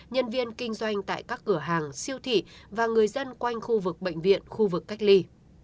nhân viên kinh doanh tại các cửa hàng siêu thị và người dân quanh khu vực bệnh viện khu vực cách ly